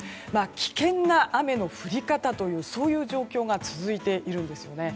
危険な雨の降り方という状況が続いているんですよね。